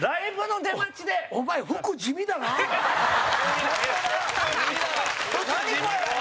お前、服地味だな。